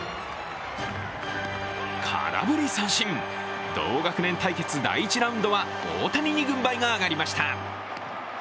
空振り三振、同学年対決第１ラウンドは大谷に軍配が上がりました。